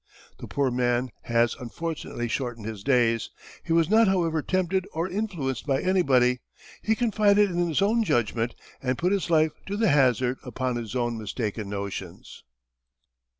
The poor man has unfortunately shortened his days; he was not however tempted or influenced by anybody; he confided in his own judgment, and put his life to the hazard upon his own mistaken notions.